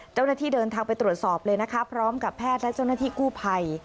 เจ้าหน้าที่เดินทางไปตรวจสอบเลยนะคะพร้อมกับแพทย์และเจ้าหน้าที่กู้ภัย